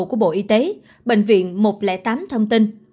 của bộ y tế bệnh viện một trăm linh tám thông tin